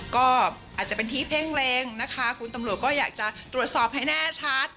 ก็อาจจะเป็นที่เพ่งเล็งนะคะคุณตำรวจก็อยากจะตรวจสอบให้แน่ชัด